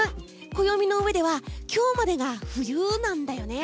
暦のうえでは今日までが冬なんだよね。